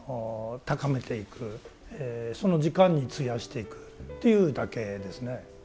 その時間に費やしていくっていうだけですね。